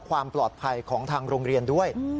ความปลอดภัยของทางโรงเรียนด้วย